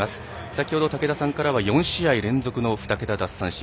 先ほど武田さんからは４試合連続の２桁奪三振。